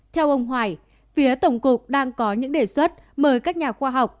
theo ông hoài phía tổng cục đang có những đề xuất mời các nhà khoa học